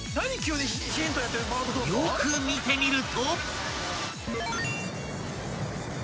［よく見てみると］